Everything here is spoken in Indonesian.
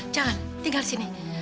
jangan tinggal sini